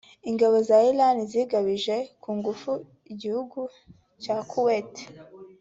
Ingabo za Iraqi zigabije ku ngufu igihugu cya Kuwait